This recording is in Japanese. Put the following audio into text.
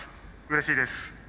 うれしいです。